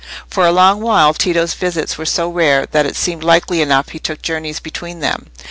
For a long while Tito's visits were so rare, that it seemed likely enough he took journeys between them.